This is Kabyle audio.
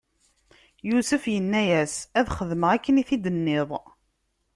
Yusef inna-as: Ad xedmeɣ akken i t-id-tenniḍ.